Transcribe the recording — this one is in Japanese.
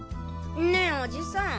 ねえおじさん